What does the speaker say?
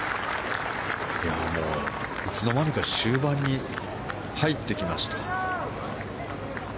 いつの間にか終盤に入ってきました。